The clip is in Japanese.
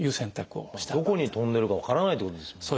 どこに飛んでるか分からないってことですもんね